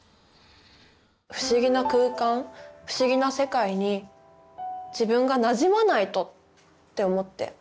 不思議な空間不思議な世界に自分がなじまないとって思って。